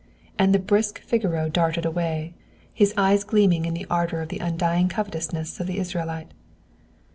And the brisk Figaro darted away, his eyes gleaming in the ardor of the undying covetousness of the Israelite.